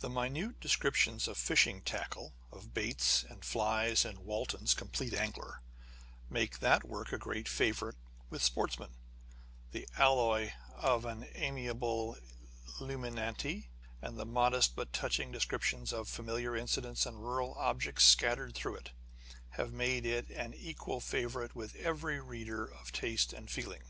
The minute descriptions of fishing tackle, of baits and flies in Walton's Complete Angler, make that work a great favourite with sportsmen : the alloy of an amiable liumanity, and the modest but touching descrip tions of familiar incidents and rural objects scattered through it, have made it an equal favourite with every reader of taste and feeling.